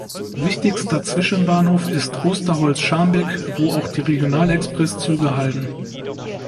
Wichtigster Zwischenbahnhof ist Osterholz-Scharmbeck, wo auch die Regional-Express-Züge halten.